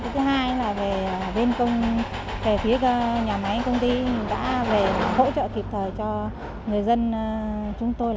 thứ hai là về bên về phía nhà máy công ty đã về hỗ trợ kịp thời cho người dân chúng tôi